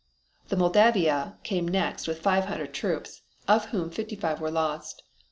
The Moldavia came next with five hundred troops, of whom fifty five were lost.